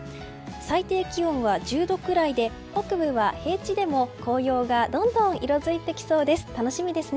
最低気温は１０度くらいで北部は、平地でも紅葉がどんどん色づいてきそうです。